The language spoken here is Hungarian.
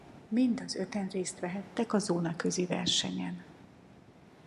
Mind az öten részt vehettek a zónaközi versenyen.